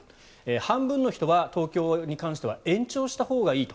半分の人は東京に関しては延長したほうがいいと。